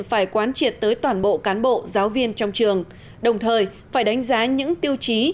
phải quán triệt tới toàn bộ cán bộ giáo viên trong trường đồng thời phải đánh giá những tiêu chí